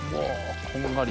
こんがり！